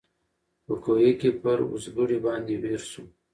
په کوهي کي پر اوزګړي باندي ویر سو